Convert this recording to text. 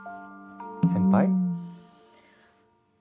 先輩？